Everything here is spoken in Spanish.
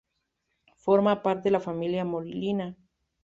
Forma parte de la familia Molina.